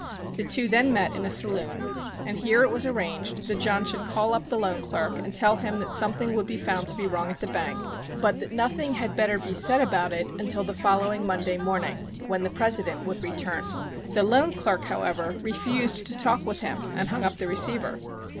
The two then met in a saloon, and here it was arranged that John should call up the loan clerk and tell him that something would be found to be wrong at the bank, but that nothing had better be said about it until the following Monday morning, when the president would return. The loan clerk, however, refused to talk with him and hung up the receiver.